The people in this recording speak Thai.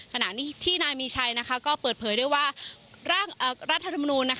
ขณะที่นายมีใช้ก็เปิดเผยด้วยว่ารัฐธรรมนูน